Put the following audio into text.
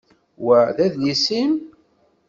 Wa d adlis-im?